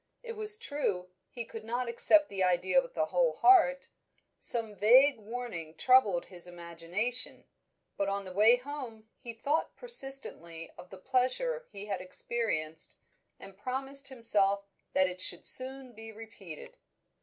It was true, he could not accept the idea with a whole heart; some vague warning troubled his imagination; but on the way home he thought persistently of the pleasure he had experienced, and promised himself that it should be soon repeated.